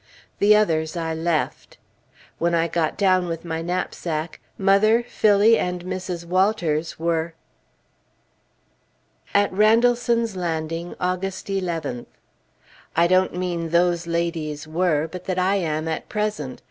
The others I left. When I got down with my knapsack, mother, Phillie, and Mrs. Walters were AT RANDALLSON'S LANDING, August 11th. I don't mean those ladies were, but that I am at present.